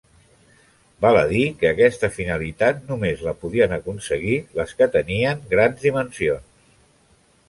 Val a dir que aquesta finalitat només la podien aconseguir les que tenien grans dimensions.